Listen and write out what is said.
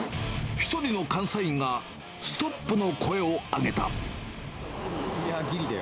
１人の監査員がストップの声いや、ぎりだよ。